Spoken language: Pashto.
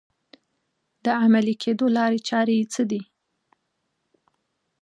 د عملي کېدو لارې چارې یې څه دي؟